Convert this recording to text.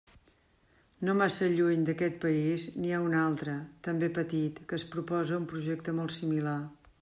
No massa lluny d'aquest país n'hi ha un altre, també petit, que es proposa un projecte molt similar.